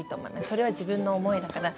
それは自分の思いだから。